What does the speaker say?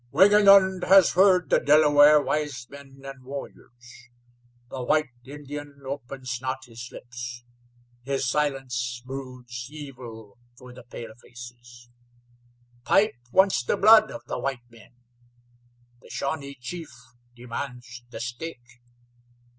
"Wingenund has heard the Delaware wise men and warriors. The white Indian opens not his lips; his silence broods evil for the palefaces. Pipe wants the blood of the white men; the Shawnee chief demands the stake.